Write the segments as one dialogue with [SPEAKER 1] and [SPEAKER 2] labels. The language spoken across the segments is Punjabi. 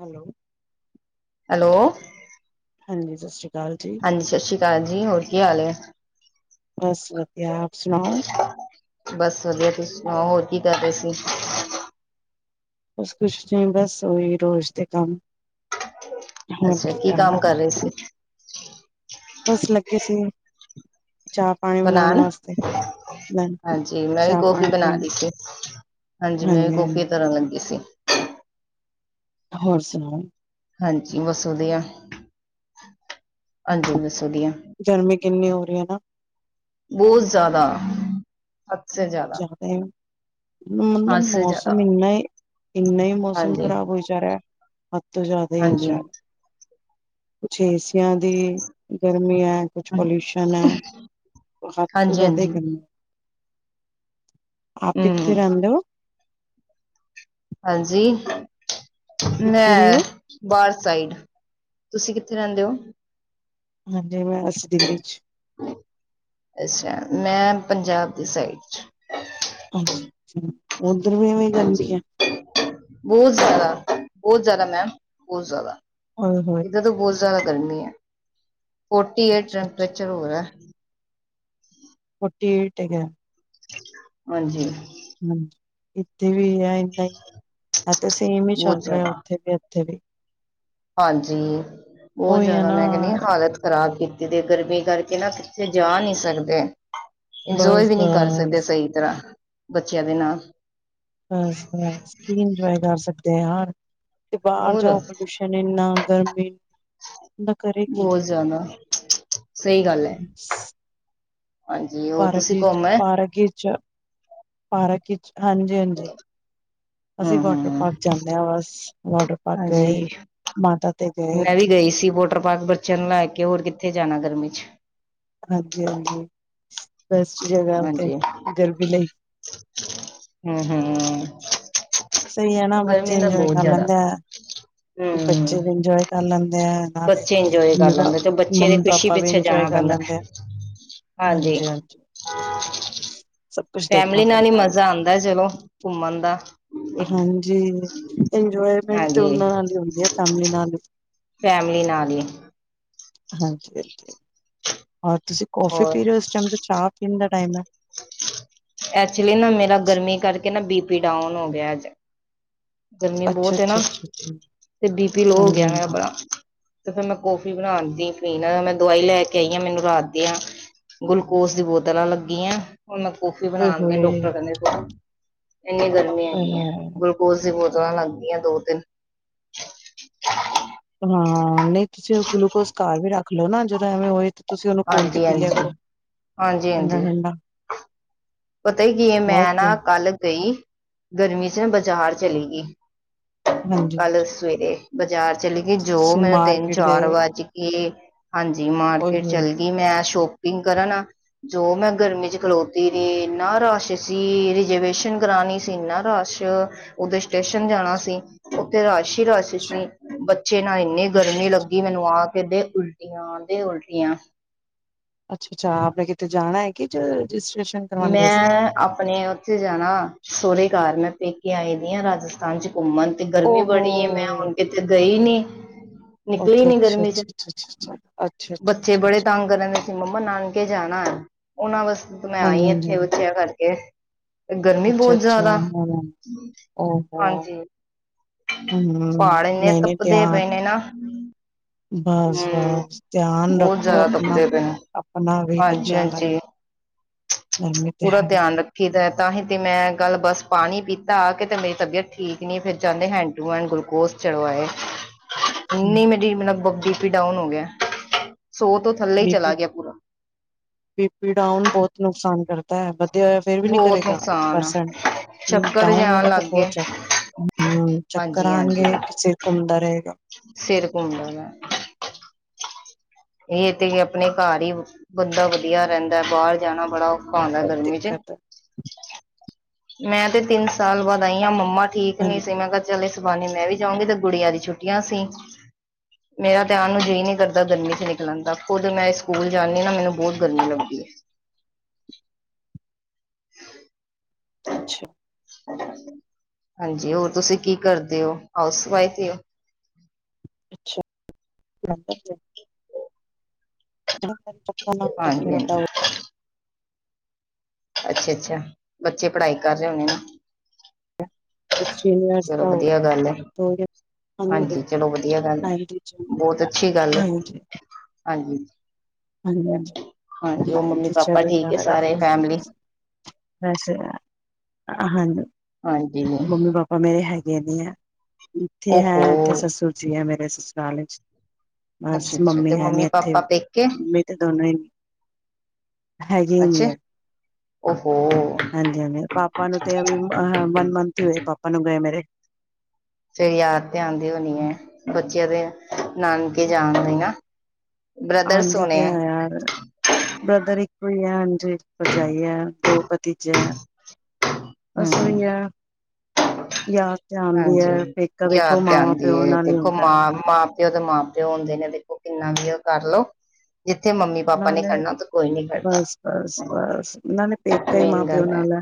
[SPEAKER 1] ਹੈਲੋ।
[SPEAKER 2] ਹੈਲੋ।
[SPEAKER 1] ਹਾਂਜੀ ਸਤਿ ਸ਼੍ਰੀ, ਅਕਾਲ ਜੀ
[SPEAKER 2] ਹਾਂਜੀ, ਸਤਿ ਸ੍ਰੀ ਅਕਾਲ ਜੀ ਹੋਰ ਕੀ ਹਾਲ ਐ?
[SPEAKER 1] ਬਸ ਵਧੀਆ ਆਪ ਸੁਣਾਓ?
[SPEAKER 2] ਬਸ ਵਧੀਆ ਤੁਸੀਂ ਸੁਣਾਓ, ਹੋਰ ਕੀ ਕਰ ਰਹੇ ਸੀ?
[SPEAKER 1] ਬਸ ਕੁਛ ਨਹੀਂ ਬਸ ਉਹੀ ਰੋਜ਼ ਦੇ ਕੰਮ? ਹੋਰ
[SPEAKER 2] ਅੱਛਾ ਕੀ ਕੰਮ
[SPEAKER 1] ਕਰਨਾ
[SPEAKER 2] ਕਰ ਰਹੇ ਸੀ?
[SPEAKER 1] ਬਸ ਲੱਗੇ ਸੀ ਚਾਹ ਪਾਣੀ ਬਣਾਣ
[SPEAKER 2] ਬਣਾਉਣ
[SPEAKER 1] ਵਾਸਤੇ।
[SPEAKER 2] ਹਾਂਜੀ, ਮੈਂ ਵੀ
[SPEAKER 1] ਚਾਹ
[SPEAKER 2] ਕੋਫ਼ੀ
[SPEAKER 1] ਪਾਣੀ
[SPEAKER 2] ਬਣਾ
[SPEAKER 1] ਪੀਣ
[SPEAKER 2] ਰਹੀ ਸੀ। ਹਾਂਜੀ, ਮੈਂ ਵੀ ਕੋਫ਼ੀ ਤਰਨ ਲੱਗੀ ਸੀ?
[SPEAKER 1] ਹੋਰ ਸੁਣਾਓ?
[SPEAKER 2] ਹਾਂਜੀ ਬਸ ਵਧੀਆ। ਹਾਂਜੀ ਬਸ ਵਧੀਆ।
[SPEAKER 1] ਗਰਮੀ ਕਿੰਨੀ ਹੋ ਰਹੀ ਹੈ ਨਾ
[SPEAKER 2] ਬਹੁਤ ਜ਼ਿਆਦਾ ਹੱਦ ਸੇ ਜ਼ਿਆਦਾ।
[SPEAKER 1] ਮਤਲਬ
[SPEAKER 2] ਹੱਦ ਸੇ ਜ਼ਿਆਦਾ
[SPEAKER 1] ਮੌਸਮ ਇੰਨਾ ਇੰਨਾ ਹੀ ਮੌਸਮ
[SPEAKER 2] ਹਾਂਜੀ
[SPEAKER 1] ਖ਼ਰਾਬ ਹੋਈ ਜਾ ਰਿਹਾ। ਹੱਦ ਤੋਂ ਜ਼ਿਆਦਾ ਹੀ ਹੋ
[SPEAKER 2] ਹਾਂਜੀ
[SPEAKER 1] ਜਾਵੇ ਕੁਛ ਏਸੀਆਂ ਦੀ ਗਰਮੀ ਐ। ਕੁਛ ਪੋਲਿਊਸ਼ਨ ਐ ਕੁਝ ਹੱਦ ਤੋਂ
[SPEAKER 2] ਹਾਂਜੀ
[SPEAKER 1] ਜ਼ਿਆਦਾ ਹੀ
[SPEAKER 2] ਹਾਂਜੀ
[SPEAKER 1] ਗਰਮੀ। ਆਪ
[SPEAKER 2] ਹਮ
[SPEAKER 1] ਕਿੱਥੇ ਰਹਿੰਦੇ ਹੋ?
[SPEAKER 2] ਹਾਂਜੀ
[SPEAKER 1] ਕਿੱਥੋਂ ਦੀ ਹੋ
[SPEAKER 2] ਮੈਂ। ਸਾਈਡ ਤੁਸੀਂ ਕਿੱਥੇ ਰਹਿੰਦੇ ਹੋ?
[SPEAKER 1] ਹਾਂਜੀ ਮੈਂ ਬਸ ਦਿੱਲੀ 'ਚ।
[SPEAKER 2] ਅੱਛਾ, ਮੈਂ ਪੰਜਾਬ ਦੀ ਸਾਈਡ 'ਚ।
[SPEAKER 1] ਹਾਂਜੀ ਹਾਂਜੀ, ਓ
[SPEAKER 2] ਹਾਂਜੀ, ਬਹੁਤ ਜ਼ਿਆਦਾ ਬਹੁਤ ਜ਼ਿਆਦਾ ਮੈਮ ਬਹੁਤ ਜ਼ਿਆਦਾ।
[SPEAKER 1] ਓਏ ਹੋਏ।
[SPEAKER 2] ਇੱਧਰ ਤੋਂ ਬਹੁਤ ਜ਼ਿਆਦਾ ਗਰਮੀ ਹੈ, ਫੋਰਟੀ ਏਟ
[SPEAKER 1] ਅੱਛਾ-ਅੱਛਾ,
[SPEAKER 2] ਟੈਂਪਰੇਚਰ ਹੋ ਰਿਹਾ ਹੈ।
[SPEAKER 1] ਫੋਟੀ ਏਟ ਹੈਗਾ।
[SPEAKER 2] ਹਾਂਜੀ।
[SPEAKER 1] ਹਾਂਜੀ ਇੱਥੇ। ਇੱਥੇ ਵੀ ਹੈ ਇੰਨਾ ਹੀ ਹੈ ਇੰਨਾ ਹੀ ਸੇਮ ਹੀ ਚੱਲ ਰਹੇ ਆ, ਉੱਥੇ ਵੀ ਇੱਥੇ ਵੀ।
[SPEAKER 2] ਹਾਂਜੀ ਬਹੁਤ
[SPEAKER 1] ਉਹੀ ਹੈ
[SPEAKER 2] ਜ਼ਿਆਦਾ
[SPEAKER 1] ਨਾ,
[SPEAKER 2] ਮੈਂ ਕਹਿੰਦੀ ਹਾਂ ਹਾਲਤ ਖ਼ਰਾਬ। ਇੱਕ ਤੇ ਗਰਮੀ ਕਰਕੇ ਨਾ, ਕਿੱਤੇ ਜਾ ਨਹੀਂ ਸਕਦੇ। ਇੰਜੋਏ ਵੀ ਨਹੀਂ ਕਰ ਸਕਦੇ
[SPEAKER 1] ਬਸ-ਬਸ।
[SPEAKER 2] ਸਹੀ ਤਰ੍ਹਾਂ, ਬੱਚਿਆਂ ਦੇ ਨਾਲ।
[SPEAKER 1] ਹਾਂਜੀ ਹਾਂਜੀ ਕੀ ਇੰਜਏ ਕਰ ਸਕਦੇ ਯਾਰ। ਤੇ ਬਾਹਰ
[SPEAKER 2] ਹੋਰ
[SPEAKER 1] ਜਾਔ, ਪੋਲਿਊਸ਼ਨ ਇੰਨਾ ਗਰਮੀ। ਬੰਦਾ ਕਰੇ
[SPEAKER 2] ਬਹੁਤ ਜ਼ਿਆਦਾ। ਸਹੀ ਗੱਲ ਹੈ
[SPEAKER 1] ਹਮ। [unintelligible]
[SPEAKER 2] ਹਾਂਜੀ ਹੋਰ
[SPEAKER 1] ਪਾਰਕ
[SPEAKER 2] ਤੁਸੀਂ
[SPEAKER 1] ਇਚ,
[SPEAKER 2] ਘੁੰਮ ਆਏ
[SPEAKER 1] ਪਾਰਕ ਇਚ ਪਾਰ ਹਾਂਜੀ ਹਾਂਜੀ,
[SPEAKER 2] ਹੂੰ
[SPEAKER 1] ਅਸੀਂ
[SPEAKER 2] ਹੂੰ
[SPEAKER 1] ਵਾਟਰ
[SPEAKER 2] ਹੂੰ
[SPEAKER 1] ਪਾਰਕ ਜਾਂਦੇ ਆਂ ਬਸ। ਵਾਟਰ ਪਾਰਕ
[SPEAKER 2] ਹਾਂਜੀ
[SPEAKER 1] ਗਏ, ਮਾਤਾ ਤੇ ਗਏ,
[SPEAKER 2] ਮੈਂ ਵੀ ਗਈ ਸੀ ਵੋਟਰ ਪਾਰਕ ਬੱਚਿਆਂ ਨੂੰ ਲੈ ਕੇ ਹੋਰ ਕਿੱਥੇ ਜਾਣਾ ਗਰਮੀ ਚ।
[SPEAKER 1] ਹਾਂਜੀ! ਹਾਂਜੀ। ਬੈਸਟ ਜਗ੍ਹਾ ਉਥੇ
[SPEAKER 2] ਹਾਂਜੀ
[SPEAKER 1] ਗਰਮੀ ਲਈ।
[SPEAKER 2] ਹੂੰ-ਹੂੰ
[SPEAKER 1] ਸਹੀ ਆ ਨਾ, ਬੱਚੇ
[SPEAKER 2] ਗਰਮੀ ਤਾਂ
[SPEAKER 1] ਇੰਜੋਏ
[SPEAKER 2] ਬਹੁਤ
[SPEAKER 1] ਕਰ
[SPEAKER 2] ਜ਼ਿਆਦਾ
[SPEAKER 1] ਲੈਂਦੇ ਬੱਚੇ ਵੀ
[SPEAKER 2] ਹੂੰ
[SPEAKER 1] ਇੰਜੋਏ ਕਰ ਲੈਂਦੇ ਆ, ਨਾਲੇ
[SPEAKER 2] ਬੱਚੇ ਇੰਜੋਏ ਕਰ ਲੈਂਦੇ ਤੇ ਬੱਚੇ ਦੀ
[SPEAKER 1] ਮੰਮੀ
[SPEAKER 2] ਖੁਸ਼ੀ
[SPEAKER 1] ਪਾਪਾ ਵੀ
[SPEAKER 2] ਪਿੱਛੇ
[SPEAKER 1] ਇੰਜੋਏ
[SPEAKER 2] ਜਾਣਾ
[SPEAKER 1] ਕਰ ਕਰ
[SPEAKER 2] ਪੈਂਦਾ
[SPEAKER 1] ਲੈਂਦੇ ਆ। ਹਾਂਜੀ! ਹਾਂਜੀ। ਸਭ ਕੁਛ ਦੇਖਣਾ
[SPEAKER 2] ਫੈਮਲੀ ਨਾਲ ਹੀ
[SPEAKER 1] ਪੈਂਦਾ
[SPEAKER 2] ਮਜ਼ਾ ਆਉਂਦਾ ਚਲੋ, ਘੁੰਮਣ ਦਾ ਇੱਕ
[SPEAKER 1] ਹਾਂਜੀ ਇੰਜੋਏਮੈਂਟ ਤੇ
[SPEAKER 2] ਹਾਂਜੀ।
[SPEAKER 1] ਉਹਨਾਂ ਨਾਲ ਹੀ ਹੁੰਦੀ ਹੈ ਫੈਮਿਲੀ ਨਾਲ
[SPEAKER 2] ਫੈਮਲੀ ਨਾਲ ਹੀ।
[SPEAKER 1] ਹਾਂਜੀ ਹਾਂਜੀ ਹੁਣ ਤੁਸੀਂ ਕੋਫੀ
[SPEAKER 2] ਹੋਰ
[SPEAKER 1] ਪੀ ਰਹੇ ਹੋ, ਇਸ ਟਾਈਮ ਦਾ ਚਾਹ ਪੀਣ ਦਾ ਟਾਈਮ ਹੈ।
[SPEAKER 2] ਐਕਚੁਲੀ ਨਾ ਮੇਰਾ ਗਰਮੀ ਕਰਕੇ ਨਾ, ਬੀ ਪੀ ਡਾਊਨ ਹੋ ਗਿਆ ਅੱਜ। ਗਰਮੀ
[SPEAKER 1] ਅੱਛਾ
[SPEAKER 2] ਬਹੁਤ ਹੈ ਨਾ,
[SPEAKER 1] ਅੱਛਾ ਅੱਛਾ ਅੱਛਾ
[SPEAKER 2] ਤੇ ਬੀਪੀ ਲੋ ਹੋ
[SPEAKER 1] ਹਾਂਜੀ
[SPEAKER 2] ਗਿਆ ਮੇਰਾ
[SPEAKER 1] ਹਾਂਜੀ
[SPEAKER 2] ਬੜਾ। ਤੇ ਫਿਰ ਮੈਂ ਕੌਫੀ ਬਣਾਉਣ ਦੀ ਪੀਣਾ, ਮੈਂ ਦਵਾਈ ਲੈ ਕੇ ਆਈ ਹਾਂ ਮੈਨੂੰ ਰਾਤ ਦੀਆਂ ਗੁਲੂਕੋਸ ਦੀ ਬੋਤਲਾਂ ਲੱਗੀਆਂ ਐ, ਹੁਣ ਮੈਂ ਕੋਫੀ
[SPEAKER 1] ਓਏ
[SPEAKER 2] ਬਣਾਉਣ ਦੀ
[SPEAKER 1] ਹੋਏ
[SPEAKER 2] ਡਾਕਟਰ ਕਹਿੰਦੇ ਇੰਨੀਆਂ ਗਰਮੀਆਂ
[SPEAKER 1] ਓਏ
[SPEAKER 2] ਹੈਗੀਆਂ
[SPEAKER 1] ਹੋਏ
[SPEAKER 2] ਬੋਤਲਾਂ ਲੱਗਦੀਆਂ ਦੋ ਤਿੰਨ
[SPEAKER 1] ਹਾਂ ਨਹੀਂ ਤੁਸੀਂ ਗੁਲੂਕੋਸ ਘਰ ਵੀ ਰੱਖ ਲਓ, ਨਾ ਜਦੋਂ ਐਵੇਂ ਤੁਸੀਂ ਉਹਨੂੰ ਕੋਲ ਕੇ
[SPEAKER 2] ਹਾਂਜੀ
[SPEAKER 1] ਪੀ ਲਿਆ
[SPEAKER 2] ਹਾਂਜੀ
[SPEAKER 1] ਕਰੋ,
[SPEAKER 2] ਹਾਂਜੀ ਹਾਂਜੀ
[SPEAKER 1] ਠੰਡਾ-ਠੰਡਾ।
[SPEAKER 2] ਪਤਾ ਹੀ ਕੀ ਮੈਂ ਨਾ ਕੱਲ ਗਈ, ਗਰਮੀ ਸੀ ਨਾ ਬਜ਼ਾਰ ਚਲੇ ਗਈ
[SPEAKER 1] ਹਾਂਜੀ
[SPEAKER 2] ਕੱਲ ਸਵੇਰੇ ਬਾਜ਼ਾਰ ਚਲੀ ਗਈ, ਜੋ
[SPEAKER 1] ਤੁਸੀਂ
[SPEAKER 2] ਮੈਨੂੰ ਤਿੰਨ
[SPEAKER 1] ਮਾਰਕੀਟ
[SPEAKER 2] ਚਾਰ
[SPEAKER 1] ਗਏ
[SPEAKER 2] ਵੱਜ ਗਏ ਹਾਂਜੀ
[SPEAKER 1] ਓਏ
[SPEAKER 2] ਮਾਰਕੀਟ
[SPEAKER 1] ਹੋਏ
[SPEAKER 2] ਚੱਲ ਗਈ ਮੈਂ ਸ਼ੋਪਿੰਗ ਕਰਨ, ਜੋ ਮੈਂ ਗਰਮੀ ਚ ਖਲੋਤੀ ਤੇ ਇੰਨਾ ਰਸ਼ ਸੀ ਰਿਜਰਵੇਸ਼ਨ ਕਰਾਣੀ ਸੀ, ਇਨਾ ਰਸ਼ ੳਧੱਰ ਸਟੇਸ਼ਨ ਜਾਣਾ ਅਸੀਂ ਉੱਥੇ ਰਸ਼ ਹੀ ਰਸ਼ ਸੀ ਪਿੱਛੇ ਨਾਲ ਇੰਨੀ ਗਰਮੀ
[SPEAKER 1] ਅੱਛਾ
[SPEAKER 2] ਲੱਗੀ ਮੈਨੂੰ ਆ ਕੇ, ਦੇ ਉਲਟੀਆਂ ਦੇ ਉਲਟੀਆਂ
[SPEAKER 1] ਅੱਛਾ ਅੱਛਾ ਆਪ ਨੇ ਕਿਤੇੇ ਜਾਣਾ ਹੈ ਕਿ ਰਜਿਸਟ੍ਰੇਸ਼ਨ ਕਰਵਾਉਣ ਗਏ ਸੀ
[SPEAKER 2] ਮੈਂ ਆਪਣੇ ਉੱਥੇ ਜਾਣਾ ਸੋਹੁਰੇ ਘਰ ਨ ਪੇਕੇ ਆਏ ਦੀ ਹਾਂ ਰਾਜਸਥਾਨ ਚ, ਘੁੰਮਣ ਤੇ ਗਰਮੀ
[SPEAKER 1] ਓਹੋ
[SPEAKER 2] ਬੜੀ ਮੈਂ ਹੁਣ ਕਿਤੇ ਗਈ ਨੀ ਨਿਕਲੀ
[SPEAKER 1] ਅੱਛਾ
[SPEAKER 2] ਨੀ
[SPEAKER 1] ਅੱਛਾ
[SPEAKER 2] ਗਰਮੀ ਚ,
[SPEAKER 1] ਅੱਛਾ ਅੱਛਾ ਅੱਛਾ ਅੱਛਾ ਅੱਛਾ
[SPEAKER 2] ਬੱਚੇ
[SPEAKER 1] ਅੱਛਾ
[SPEAKER 2] ਬੜੇ
[SPEAKER 1] ਅੱਛਾ
[SPEAKER 2] ਤੰਗ ਕਰਨ ਦੇ ਸੀ, ਮੰਮਾ ਨਾਨਕੇ ਜਾਣਾ ਉਹਨਾਂ ਵਾਸਤੇ ਮੈਂ
[SPEAKER 1] ਹਾਂਜੀ
[SPEAKER 2] ਆਈ
[SPEAKER 1] ਹਾਂਜੀ
[SPEAKER 2] ਇੱਥੇ
[SPEAKER 1] ਹਾਂਜੀ।
[SPEAKER 2] ਬੱਚਿਆ ਕਰਕੇ ਤੇ ਗਰਮੀ
[SPEAKER 1] ਅੱਛਾ
[SPEAKER 2] ਬਹੁਤ
[SPEAKER 1] ਅੱਛਾ
[SPEAKER 2] ਜ਼ਿਆਦਾ,
[SPEAKER 1] ਹੂੰ, ਓਹੋ
[SPEAKER 2] ਹਾਂਜੀ।
[SPEAKER 1] ਹਮ
[SPEAKER 2] ਪਹਾੜ ਇੰਨੇ
[SPEAKER 1] ਨਹੀਂ ਨਹੀਂ
[SPEAKER 2] ਤਪਦੇ
[SPEAKER 1] ਧਿਆਨ
[SPEAKER 2] ਪਏ ਨੇ ਨਾ
[SPEAKER 1] ਬਸ
[SPEAKER 2] ਹਮ
[SPEAKER 1] ਬਸ ਧਿਆਨ
[SPEAKER 2] ਬਹੁਤ
[SPEAKER 1] ਰੱਖੋ
[SPEAKER 2] ਜ਼ਿਆਦਾ
[SPEAKER 1] ਆਪਣਾ
[SPEAKER 2] ਤਪਦੇ ਪਏ ਨੇ
[SPEAKER 1] ਆਪਣਾ ਵੀ,
[SPEAKER 2] ਹਾਂਜੀ
[SPEAKER 1] ਬੱਚਿਆਂ ਦਾ ਵੀ।
[SPEAKER 2] [inaudible]
[SPEAKER 1] ਗਰਮੀ ਤੇ
[SPEAKER 2] ਪੂਰਾ
[SPEAKER 1] ਹੈ
[SPEAKER 2] ਧਿਆਨ ਰੱਖੀ ਦਾ ਐ, ਤਾਂਹੀ ਤੇ ਮੈਂ ਗੱਲ ਬਸ ਪਾਣੀ ਪੀ ਕੇ ਤੇ ਮੇਰੀ ਤਬੀਅਤ ਠੀਕ ਨੀ, ਫਿਰ ਜਾਂਦੇ ਹੈਂਡ ਟੂ ਹੈਂਡ ਗੁਲੂਕੋਸ ਚਲਵਾਏ।
[SPEAKER 1] ਹੂੰ,
[SPEAKER 2] ਨਹੀਂ ਮੇਰੀ ਮਤਲਬ ਬੀ ਪੀ ਡਾਊਨ ਹੋ ਗਿਆ। ਸੌ ਤੋਂ ਥੱਲੇ ਹੀ
[SPEAKER 1] ਬੀ
[SPEAKER 2] ਚਲਾ ਗਿਆ ਪੂਰਾ
[SPEAKER 1] ਪੀ ਡਾਊਨ ਬਹੁਤ ਨੁਕਸਾਨ ਕਰਦਾ ਹੈ। ਫਿਰ ਵੀ ਨੀ
[SPEAKER 2] ਬਹੁਤ
[SPEAKER 1] ਕਰੇਗਾ, ਇੱਕ
[SPEAKER 2] ਨੁਕਸਾਨ ਆ
[SPEAKER 1] ਪਰਸੈਂਟ
[SPEAKER 2] ਚੱਕਰ
[SPEAKER 1] ਡਾਊਨ
[SPEAKER 2] ਜਾਣ
[SPEAKER 1] ਵਾਲਾ ਤਾਂ
[SPEAKER 2] ਲੱਗ
[SPEAKER 1] ਬਹੁਤ
[SPEAKER 2] ਗਏ
[SPEAKER 1] ਜ਼ਿਆਦਾ। ਹੂੰ, ਚੱਕਰ
[SPEAKER 2] ਹਾਂਜੀ
[SPEAKER 1] ਆਣਗੇ
[SPEAKER 2] ਹਾਂਜੀ
[SPEAKER 1] ਸਿਰ ਘੁੰਮਦਾ ਰਹੇਗਾ।
[SPEAKER 2] ਸਿਰ ਘੁੰਮਦਾ ਰਿਹਾ। ਇਹ ਤੇ ਆਪਣੇ ਘਰ ਹੀ ਬੰਦਾ ਵਧੀਆ ਰਹਿੰਦਾ ਬਾਹਰ ਜਾਣਾ ਬੜਾ ਆਉਂਦਾ,
[SPEAKER 1] ਬਹੁਤ
[SPEAKER 2] ਗਰਮੀ ਚ
[SPEAKER 1] ਦਿੱਕਤ ਹੈ
[SPEAKER 2] ਮੈਂ ਤੇ ਤਿੰਨ ਸਾਲ ਬਾਅਦ ਆਈ ਹਾਂ ਮੰਮਾ ਠੀਕ ਨਹੀਂ
[SPEAKER 1] ਹਾਂਜੀ
[SPEAKER 2] ਸੀ, ਮੈਂ ਕਿਹਾ ਚੱਲ ਇਸ ਬਹਾਨੇ ਮੈਂ ਵੀ ਜਾਊਗੀ ਤੇ ਗੁੜੀਆਂ ਦੀ ਛੁੱਟੀਆਂ ਸੀ। ਮੇਰਾ ਤੇ ਆਣ ਦਾ ਜੀ ਨੀ ਕਰਦਾ ਗਰਮੀ ਚ ਨਿਕਲਣ ਦਾ, ਕੁਝ ਮੈਂ ਸਕੂਲ ਜਾਂਦੀ ਨਾ ਮੈਨੂੰ ਬਹੁਤ ਗਰਮੀ ਲੱਗਦੀ ਐ।
[SPEAKER 1] ਅੱਛਾ,
[SPEAKER 2] ਹਾਂਜੀ, ਹੋਰ ਤੁਸੀਂ ਕੀ ਕਰਦੇ ਹੋ ਹਾਊਸ ਵਾਈਫ ਹੀ ਔ?
[SPEAKER 1] ਅੱਛਾ,
[SPEAKER 2] ਹਾਂਜੀ
[SPEAKER 1] ਚਾ
[SPEAKER 2] ਹਾਂਜੀ ਅੱਛਾ-ਅੱਛਾ, ਬੱਚੇ ਪੜ੍ਹਾਈ ਕਰ ਰਹੇ ਹੋਣੇ ਨਾ। ਚਲੋ ਵਧੀਆ ਗੱਲ ਹੈ।
[SPEAKER 1] ਹਾਂਜੀ
[SPEAKER 2] ਹਾਂਜੀ, ਚਲੋ ਵਧੀਆ ਗੱਲ ਐ ਬਹੁਤ ਅੱਛੀ ਗੱਲ ਐ ਹਾਂਜੀ।
[SPEAKER 1] ਹਾਂਜੀ-ਹਾਂਜੀ,
[SPEAKER 2] ਹਾਂਜੀ ਉਹ ਮੰਮੀ
[SPEAKER 1] ਨਾਈਥ ਚ
[SPEAKER 2] ਪਾਪਾ ਠੀਕ
[SPEAKER 1] ਬੇਟਾ
[SPEAKER 2] ਹੈ
[SPEAKER 1] ਮੇਰਾ।
[SPEAKER 2] ਸਾਰੇ ਫੈਮਲੀ
[SPEAKER 1] ਬਸ ਹਾਜੀ,
[SPEAKER 2] ਹਾਂਜੀ
[SPEAKER 1] ਮੰਮੀ ਪਾਪਾ ਮੇਰੇ ਹੈਗੇ ਨੀ ਆ। ਇੱਥੇ ਹੈ,
[SPEAKER 2] ਓਹੋ
[SPEAKER 1] ਇੱਥੇ ਸੱਸੁਰ ਜੀ ਹੈ ਮੇਰੇ ਸੁਸਰਾਲ ਚ, ਬਸ
[SPEAKER 2] ਅੱਛਾ ਅੱਛਾ ਤੇ
[SPEAKER 1] ਮੰਮੀ ਹੈ ਨੀ ਇੱਥੇ
[SPEAKER 2] ਪਾਪਾ
[SPEAKER 1] ਵੀ
[SPEAKER 2] ਪੇਕੇ
[SPEAKER 1] ਮੰਮੀ ਤੇ ਦੋਨੋ ਹੀ ਹੈਗੇ ਈ ਨੀ
[SPEAKER 2] ਅੱਛਾ
[SPEAKER 1] ਐ।
[SPEAKER 2] ਓਹੋ
[SPEAKER 1] ਹਾਂਜੀ-ਹਾਂਜੀ, ਪਾਪਾ ਨੂੰ ਤੇ ਵਨ ਮੰਥ ਹੀ ਹੋਏ ਪਾਪਾ ਨੂੰ ਗਏ ਮੇਰੇ
[SPEAKER 2] ਫੇਰ ਯਾਦ ਤੇ ਆਦੀ ਹੋਣੀ ਐ? ਬੱਚਿਆਂ ਦੇ ਨਾਨਕੇ ਜਾਦੇ ਨਾ, ਬ੍ਰਦਰਸ
[SPEAKER 1] ਆਦੀ
[SPEAKER 2] ਹੋਣੇ
[SPEAKER 1] ਤੇ ਹੈ ਯਾਰ, ਬ੍ਰਦਰ ਇੱਕੋ ਹੀ ਆ ਹਾਂਜੀ ਭਰਜਾਈ ਆ ਦੋ ਪਤੀਜੇ ਆ।
[SPEAKER 2] ਹਮ
[SPEAKER 1] ਬਸ ਔਹੀ ਏ,
[SPEAKER 2] ਹਾਂਜੀ
[SPEAKER 1] ਪੇਕਾ ਦੇਖੋ
[SPEAKER 2] ਯਾਦ ਤੇ
[SPEAKER 1] ਮਾਵਾਂ
[SPEAKER 2] ਆਂਦੀ
[SPEAKER 1] ਪਿਓ
[SPEAKER 2] ਏ
[SPEAKER 1] ਨਾਲ ਹੀ
[SPEAKER 2] ਦੇਖੋ
[SPEAKER 1] ਹੁੰਦਾ
[SPEAKER 2] ਮਾਂ ਮਾਂ ਪਿਓ ਦੇ ਮਾਂ ਪਿਓ ਹੁੰਦੇ ਨੇ ਦੇਖੋ। ਕਿੰਨਾ ਵੀ ਉਹ ਕਰਲੋ। ਜਿੱਥੇ ਮੰਮੀ ਪਾਪਾ ਨੇ
[SPEAKER 1] ਨਾਲੇ
[SPEAKER 2] ਖੜਨਾ ਓਥੇ ਕੋਈ ਨੀ ਖੜਦਾ
[SPEAKER 1] ਬਸ-ਬਸ-ਬਸ ਨਾਲੇ ਪੇਕਾ ਹੀ ਮਾਂ
[SPEAKER 2] ਮੇਨ
[SPEAKER 1] ਪਿਓ
[SPEAKER 2] ਗੱਲ ਏਹ।
[SPEAKER 1] ਨਾਲ ਹੈ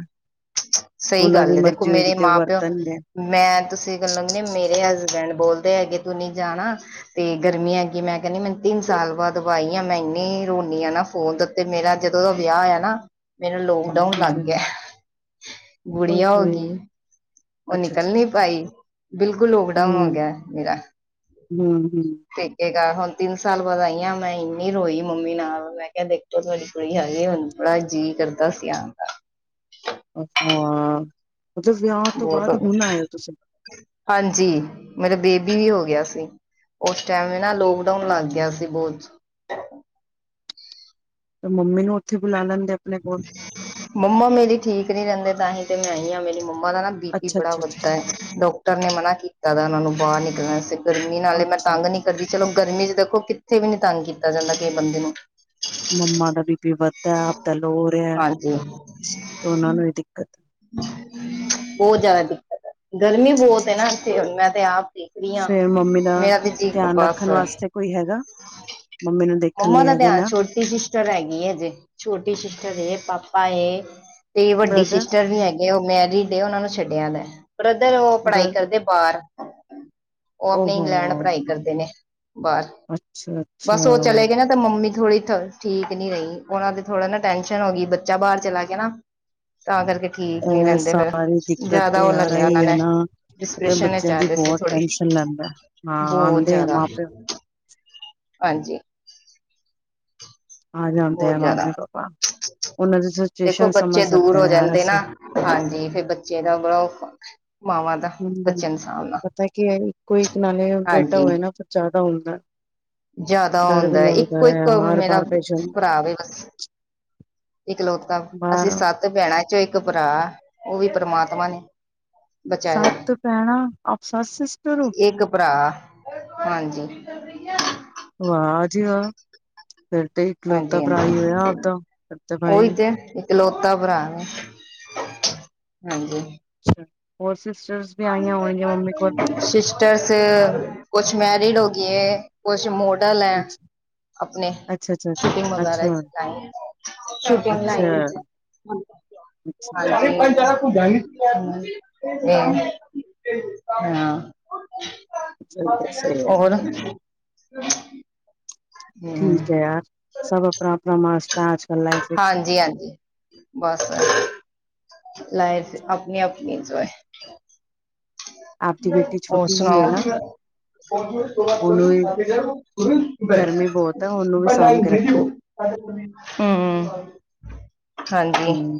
[SPEAKER 2] ਸਹੀ
[SPEAKER 1] ਉਹਨਾਂ
[SPEAKER 2] ਗੱਲ
[SPEAKER 1] ਦੀ
[SPEAKER 2] ਹੈ। ਦੇਖੋ
[SPEAKER 1] ਮਰਜ਼ੀ ਹੋਏਗੀ
[SPEAKER 2] ਮੇਰੇ
[SPEAKER 1] ਤੇ ਉਹ
[SPEAKER 2] ਮਾਂ ਪਿਓ
[SPEAKER 1] ਵਰਤਣਗੇ
[SPEAKER 2] [unintelligible] ਮੈਂ ਤੁਸੀਂ ਗੱਲੋਂ ਕਹਿ ਮੇਰੇ ਹਸ ਡ ਬੋਲਦੇ ਹੈਗੇ ਤੂੰ ਨੀ ਜਾਣਾ ਤੇ ਗਰਮੀ ਹੈਗੀ ਐ, ਮੈਂ ਕਹਿੰਨੀ ਐ ਤਿੰਨ ਸਾਲ ਬਾਅਦ ਵਾਈ ਆ ਮੈਂ, ਰੋਨੀ ਆ ਨਾ ਫੋਨ ਤੇ ਤੇ ਮੇਰਾ ਜਦੋਂ ਦਾ ਵਿਆਹ ਆਇਆ ਨਾ, ਮੇਨੂੰ ਲੋਕਡਾਊਨ ਲੱਗ ਗਿਆ,
[SPEAKER 1] ਹਾਂਜੀ-ਹਾਂਜੀ
[SPEAKER 2] ਗੁੜੀਆਂ ਹੋ
[SPEAKER 1] ਓਏ-ਹੋਏ
[SPEAKER 2] ਗਈ ਉਹ ਨੀ ਨਹੀਂ
[SPEAKER 1] ਅੱਛਾ-ਅੱਛਾ
[SPEAKER 2] ਭਾਈ ਬਿਲਕੁਲ ਲੋਕਡਾਊਨ ਹੋ ਗਿਆ ਮੇਰਾ
[SPEAKER 1] ਹੂੰ-ਹੂੰ-ਹੂੰ
[SPEAKER 2] ਤੇਕ, ਹੁਣ ਤਿੰਨ ਸਾਲ ਬਾਅਦ ਆਈ ਆ, ਮੈਂ ਇੰਨੀ ਰੋਈ ਮੰਮੀ ਨਾਲ ਮੈਂ ਕਿਹਾ ਦੇਖੋ ਤੁਹਾਡੀ ਕੁੜੀ ਹ ਦਾ ਜੀਅ ਕਰਦਾ ਸੀ ਆਣ ਦਾ,
[SPEAKER 1] ਅੱਛਾ,
[SPEAKER 2] ਬਹੁਤ, ਹਾਂਜੀ ਮਤਲਬ ਬੇਬੀ ਵੀ ਹੋ ਗਿਆ ਸੀ, ਉਸ ਟਾਈਮ ਵੀ ਨਾ ਲੋਕਡਾਊਨ ਲੱਗ ਗਿਆ ਸੀ, ਬਹੁਤ
[SPEAKER 1] ਮੰਮੀ ਨੂੰ ਉੱਥੇ ਬੁਲਾ ਲੈਂਦੇ। ਆਪਣੇ ਕੋਲ
[SPEAKER 2] ਮੰਮਾ ਮੇਰੀ ਠੀਕ ਨੀ ਰਹਿੰਦੇ, ਤਾਂਹੀ ਤੇ ਮੈਂ ਆਈ ਆ ਮੇਰੀ ਮੰਮਾ, ਦਾ ਨਾ ਬੀ ਪੀ
[SPEAKER 1] ਅੱਛਾ
[SPEAKER 2] ਬੜਾ
[SPEAKER 1] ਅੱਛਾ ਅੱਛਾ
[SPEAKER 2] ਵੱਦਾ
[SPEAKER 1] ਅੱਛਾ
[SPEAKER 2] ਐ, ਡਾਕਟਰ ਨੇ ਮਨਾ ਕੀਤਾ ਦਾ ਉਹਨਾਂ ਨੂੰ ਬਾਹਰ ਨਿਕਲਣ ਵਾਸਤੇ ਗਰਮੀ ਨਾਲੇ ਮੈਂ
[SPEAKER 1] ਅੱਛਾ
[SPEAKER 2] ਤੰਗ ਨੀ ਕਰਦੀ ਚਲੋ ਗਰਮੀ ਚ ਦੇਖੋ, ਕਿੱਥੇ ਵੀ ਨੀ ਤੰਗ ਕੀਤਾ ਜਾਂਦਾ ਕਈ ਬੰਦੇ ਨੂੰ।
[SPEAKER 1] ਮੰਮਾ ਦਾ ਬੀ ਪੀ ਵੱਧਦਾ ਆਪਦਾ ਲੋ ਰਿਹਾ,
[SPEAKER 2] ਹਾਂਜੀ
[SPEAKER 1] ਤੇ ਉਹਨਾਂ ਨੂੰ ਵੀ ਦਿੱਕਤ
[SPEAKER 2] ਬਹੁਤ ਜ਼ਿਆਦਾ ਦਿੱਕਤ ਹੈ, ਗਰਮੀ ਬਹੁਤ ਐ ਮੈਂ ਤੇ ਆਪ ਦੇਖ ਰਹੀ ਆ,
[SPEAKER 1] ਫੇਰ
[SPEAKER 2] ਹਾਂ
[SPEAKER 1] ਮੰਮੀ ਦਾ
[SPEAKER 2] ਮੇਰਾ ਤੇ ਜੀ
[SPEAKER 1] ਧਿਆਨ
[SPEAKER 2] ਬਸ
[SPEAKER 1] ਰੱਖਣ ਵਾਸਤੇ ਕੋਈ ਹੈਗਾ ਮੰਮੀ ਨੂੰ ਦੇਖਣ
[SPEAKER 2] ਮੰਮਾ
[SPEAKER 1] ਲਈ
[SPEAKER 2] ਦਾ
[SPEAKER 1] ਹੈਗੇ
[SPEAKER 2] ਧਿਆਨ
[SPEAKER 1] ਨਾ
[SPEAKER 2] ਛੋਟੀ ਸੀ। ਸ਼ਿਸਟਰ ਹੈਗੀ ਏ ਹਜੇ ਛੋਟੀ ਸ਼ਿਸਟਰ ਏ ਪਾਪਾ ਏ ਤੇ ਵੱਡੀ
[SPEAKER 1] ਬ੍ਰਦਰ
[SPEAKER 2] ਸ਼ਿਸਟਰ। ਹੈਗੇ ਉਹ ਮੈਰਿਡ ਏ ਉਹਨਾਂ ਨੂੰ ਛੱਡਿਆ ਦ ਬ੍ਰਦਰ ਉਹ ਪੜ੍ਹਾਈ
[SPEAKER 1] ਬ੍ਰ
[SPEAKER 2] ਕਰਦੇ ਬਾਹਰ। ਉਹ ਆਪਣੇ
[SPEAKER 1] ਓਹੋ
[SPEAKER 2] ਇੰਗਲੈਂਡ ਪੜ੍ਹਾਈ ਕਰਦੇ ਨੇ ਬਾਹਰ
[SPEAKER 1] ਅੱਛਾ
[SPEAKER 2] ਬਸ
[SPEAKER 1] ਅੱਛਾ
[SPEAKER 2] ਉਹ ਚਲੇ ਗਏ ਨਾ ਤਾਂ ਮੰਮੀ। ਥੋੜੀ ਠੀਕ ਨੀ ਰਹੀ। ਉਹਨਾ ਤੇ ਥੋੜਾ ਨਾ ਟੈਂਸ਼ਨ ਹੋਗੀ ਬੱਚਾ ਬਾਹਰ ਚਲਾ ਗਯਾ ਨਾ। ਤਾਂ ਕਰਕੇ ਠੀਕ ਨੀ
[SPEAKER 1] ਐ
[SPEAKER 2] ਰਹਿੰਦੇ ਫਿਰ
[SPEAKER 1] ਸਾਰੀ ਦਿੱਕਤ
[SPEAKER 2] ਜ਼ਿਆਦਾ
[SPEAKER 1] ਤੇ
[SPEAKER 2] ਉਹ ਲੈ
[SPEAKER 1] ਆ
[SPEAKER 2] ਲਿਆ ਉਹਨਾਂ
[SPEAKER 1] ਰਹੀ ਹੈ
[SPEAKER 2] ਨੇ
[SPEAKER 1] ਨਾ। ਪਤਾ
[SPEAKER 2] ਡਿਸਪ੍ਰੈਸ਼ਨ ਚ
[SPEAKER 1] ਬੱਚਿਆਂ
[SPEAKER 2] ਆ
[SPEAKER 1] ਦੀ
[SPEAKER 2] ਗਏ ਸੀ
[SPEAKER 1] ਬਹੁਤ
[SPEAKER 2] ਥੋੜੇ
[SPEAKER 1] ਟੈਸ਼ਨ ਲੈਂਦਾ। ਹਾਂ
[SPEAKER 2] ਬਹੁਤ
[SPEAKER 1] ਆਂਦੇ ਆ
[SPEAKER 2] ਜ਼ਿਆਦਾ
[SPEAKER 1] ਮਾਂ ਪਿਓ
[SPEAKER 2] ਹਾਂਜੀ ਬਹੁਤ ਜ਼ਿਆਦਾ
[SPEAKER 1] [unintelligible] ਉਹਨਾਂ ਦੀ
[SPEAKER 2] ਦੇਖੋ
[SPEAKER 1] ਸਿਚੁਏਸ਼ਨ
[SPEAKER 2] ਬੱਚੇ
[SPEAKER 1] ਸਮਝ ਸਕਦੇ
[SPEAKER 2] ਦੂਰ ਹੋ
[SPEAKER 1] ਹਾਂ ਯਾਰ
[SPEAKER 2] ਜਾਂਦੇ ਨਾ
[SPEAKER 1] ਅਸੀਂ
[SPEAKER 2] ਹਾਂਜੀ ਫੇਰ ਬੱਚੇ ਦਾ ਬੜਾ ਔਖਾ ਮਾਵਾਂ ਦਾ ਬੱਚੇ ਨੂੰ
[SPEAKER 1] [unintelligible]
[SPEAKER 2] ਸਾਂਭਣਾ
[SPEAKER 1] ਪਤਾ ਕੀ ਹੈ ਇੱਕੋ ਇੱਕ ਨਾਲੇ ਬੇਟਾ
[SPEAKER 2] ਹਾਂਜੀ
[SPEAKER 1] ਹੋਏ ਨਾ ਫ਼ੇਰ ਜ਼ਿਆਦਾ ਹੁੰਦਾ।
[SPEAKER 2] ਜਿਆਦਾ
[SPEAKER 1] ਡਰ ਵੀ
[SPEAKER 2] ਹੁੰਦਾ
[SPEAKER 1] ਲੱਗਦਾ
[SPEAKER 2] ਇੱਕੋ
[SPEAKER 1] ਹੈ
[SPEAKER 2] ਇੱਕ
[SPEAKER 1] ਹਰ
[SPEAKER 2] ਮੇਰਾ
[SPEAKER 1] ਬਾਰ ਭੇਜਣ
[SPEAKER 2] ਭਰਾ ਵੇ ਬਸ ਇਕਲੌਤਾ
[SPEAKER 1] ਬਾਹਰ
[SPEAKER 2] ਅਸੀਂ ਸੱਤ ਭੈਣਾਂ [unintelligible] ਇੱਕ ਭਰਾ ਉਹ ਵੀ ਪਰਮਾਤਮਾ ਨੇ ਬਚਾਇਆ
[SPEAKER 1] ਸੱਤ ਭੈਣਾਂ ਆਪ ਸੱਤ ਸ਼ਿਸਟਰ ਓ?
[SPEAKER 2] ਇੱਕ ਭਰਾ ਹਾਂਜੀ।
[SPEAKER 1] ਵਾਹ ਜੀ ਵਾਹ। ਫਿਰ ਤੇ ਇਕਲੋਤਾ
[SPEAKER 2] ਹਾਂਜੀ
[SPEAKER 1] ਪ੍ਰਾ ਈ
[SPEAKER 2] ਹਾਂਜੀ
[SPEAKER 1] ਹੋਯਾ ਆਪਦਾ [unintelligible] ਤੇ ਪਾਈ।
[SPEAKER 2] ਇਕਲੋਤਾ ਪ੍ਰਾ ਏ ਹਾਂਜੀ।
[SPEAKER 1] [unintelligible] ਵੀ ਆਈਆਂ ਹੋਣਗੀਆਂ ਮੰਮੀ ਕੋਲ
[SPEAKER 2] ਸ਼ਿਸਟਰ ਤੇ ਕੁਛ ਮੈਰਿਡ ਹੋਗੀ ਏ ਕੁਛ ਮੋਡਲ ਹੈ
[SPEAKER 1] ਅੱਛਾ
[SPEAKER 2] ਆਪਣੇ
[SPEAKER 1] ਅੱਛਾ ਅੱਛਾ
[SPEAKER 2] ਸ਼ੂਟਿੰਗ
[SPEAKER 1] ਅੱਛਾ
[SPEAKER 2] ਵਗੈਰਾ
[SPEAKER 1] ਅੱਛਾ
[SPEAKER 2] ਚ ਲਾਈਨ ਸ਼ੂਟਿੰਗ ਲਾਈਨ ਚ।
[SPEAKER 1] ਅੱਛਾ ਅੱਛਾ ਅੱਛਾ।
[SPEAKER 2] [unintelligible]
[SPEAKER 1] ਸਹੀ ਹੈ
[SPEAKER 2] [unintelligible]
[SPEAKER 1] ਸਹੀ ਹੈ
[SPEAKER 2] ਹੋਰ?
[SPEAKER 1] ਠੀਕ ਹੈ ਯਾਰ ਸਭ ਆਪਣਾ ਆਪਣਾ ਮਸਤ ਆ ਅਜ ਕੱਲ ਲਾਈਫ ਵਿੱਚ।
[SPEAKER 2] ਹਾਂਜੀ ਹਾਂਜੀ ਬਸ ਲਾਈਫ ਆਪਣੀ ਆਪਣੀ। [unintelligible]
[SPEAKER 1] ਆਪਦੀ ਬੇਟੀ
[SPEAKER 2] ਹੋਰ
[SPEAKER 1] ਛੋਟੀ ਜਿਹੀ ਹੈ ਨਾ
[SPEAKER 2] ਸੁਣਾਓ?
[SPEAKER 1] ਉਹਨੂੰ ਵੀ ਗਰਮੀ ਬਹੁਤ ਹੈ ਉਹਨੂੰ ਵੀ
[SPEAKER 2] ਬਟ
[SPEAKER 1] ਸਾਂਭ
[SPEAKER 2] ਆਈ
[SPEAKER 1] ਕੇ
[SPEAKER 2] [unintelligible]
[SPEAKER 1] ਰੱਖਿਓ
[SPEAKER 2] ਹੂੰ, ਹਾਂਜੀ।
[SPEAKER 1] ਹਮ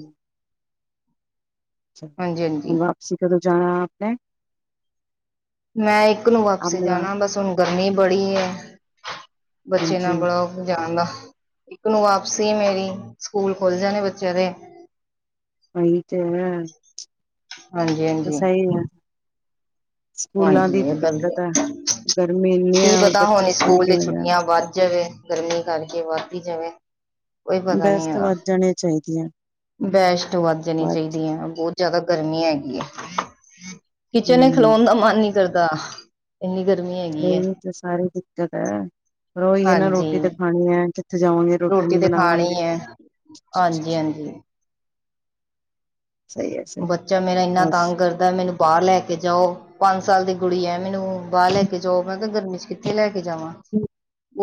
[SPEAKER 2] ਹਾਂਜੀ
[SPEAKER 1] ਵਾਪਸੀ ਕਦੋਂ ਜਾਣਾ ਆਪ ਨੇ?
[SPEAKER 2] ਮੈਂ ਇੱਕ ਨੂੰ ਵਾਪਸੀ ਜਾਣਾ ਬਸ ਹੁਣ ਗਰਮੀ ਬੜੀ ਹੇ। ਬੱਚੇ
[SPEAKER 1] ਹਾਂਜੀ
[SPEAKER 2] ਨਾਲ ਬੜਾ [unintelligible] ਜਾਣਦਾ। ਇੱਕ ਨੂੰ ਵਾਪਸੀ ਮੇਰੀ ਸਕੂਲ ਖੁੱਲ ਜਾਣੇ ਬੱਚਿਆਂ ਦੇ
[SPEAKER 1] [unintelligible]
[SPEAKER 2] ਹਾਂਜੀ--ਹਾਂਜੀ।
[SPEAKER 1] ਸਹੀ ਹੈ ਸਕੂਲਾਂ ਦੀ
[SPEAKER 2] ਹਾਂਜੀ ਇਹ ਗੱਲ ਤੇ
[SPEAKER 1] ਦਿੱਕਤ
[SPEAKER 2] ਹੈ
[SPEAKER 1] ਗਰਮੀ ਇੰਨੀ ਹੈ
[SPEAKER 2] ਕੀ
[SPEAKER 1] ਔਰ
[SPEAKER 2] ਪਤਾ
[SPEAKER 1] ਬੱਚੇ
[SPEAKER 2] ਹੁਣ ਸਕੂਲ ਦੇ
[SPEAKER 1] ਕਿਵੇਂ ਜਾਣ
[SPEAKER 2] ਛੁੱਟੀਆਂ ਵੱਧ ਜਾਵੇ। ਗਰਮੀ ਕਰਕੇ ਵੱਧ ਇ ਜਾਵੇ। ਕੋਈ ਪਤਾ
[SPEAKER 1] ਵੈਸ
[SPEAKER 2] ਨੀ
[SPEAKER 1] ਤਾਂ
[SPEAKER 2] ਹੈਗਾ
[SPEAKER 1] ਵੱਧ ਜਾਣੀਆਂ ਚਾਹੀਦੀਆਂ।
[SPEAKER 2] [unintelligible] ਵੱਧ ਜਾਣੀ ਚਾਹੀਦੀ ਹੈ ਬਹੁਤ ਜ਼ਿਆਦਾ ਗਰਮੀ ਹੈਗੀ ਹੈ। ਕਿਚਨ ਚ
[SPEAKER 1] ਹਮ
[SPEAKER 2] ਖਲੋਣ ਦਾ ਮਨ ਨੀ ਕਰਦਾ ਇੰਨੀ ਗਰਮੀ ਹੈਗੀ ਹੈ
[SPEAKER 1] ਇਹੀ ਤਾਂ ਸਾਰੀ ਦਿੱਕਤ ਹੈ। ਪਰ ਉਹੀ ਹੈ ਨਾ
[SPEAKER 2] ਹਾਂਜੀ
[SPEAKER 1] ਰੋਟੀ ਤਾਂ ਖਾਣੀ ਹੈ ਕਿੱਥੇ ਜਾਵਾਂਗੇ ਰੋਟੀ ਨੀ ਬਣਾਵਾਂਗੇ।
[SPEAKER 2] ਹਾਂਜੀ--ਹਾਂਜੀ।
[SPEAKER 1] ਸਹੀ ਹੈ ਸਹੀ
[SPEAKER 2] ਬੱਚਾ ਮੇਰਾ ਇੰਨਾ
[SPEAKER 1] ਬਸ
[SPEAKER 2] ਤੰਗ ਕਰਦਾ ਮੈਨੂੰ ਬਾਹਰ ਲੈ ਕੇ ਜਾਓ ਪੰਜ ਸਾਲ ਦੀ ਕੁੜੀ ਐ ਮੈਨੂੰ ਬਾਹਰ ਲੈ ਕੇ ਜਾਓ ਮੈਂ ਕਹਯਾ ਗਰਮੀ ਚ ਕਿੱਥੇ ਲੈ ਕੇ ਜਾਵਾਂ।